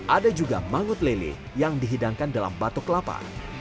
ada juga mangut lele yang dihidangkan dalam batuk kelapa